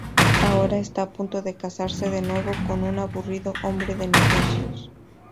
Ahora está a punto de casarse de nuevo con un aburrido hombre de negocios.